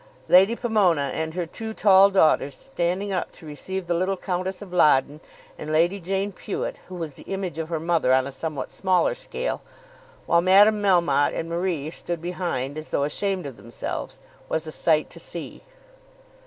Lady Pomona and her two tall daughters standing up to receive the little Countess of Loddon and Lady Jane Pewet, who was the image of her mother on a somewhat smaller scale, while Madame Melmotte and Marie stood behind as though ashamed of themselves, was a sight to see.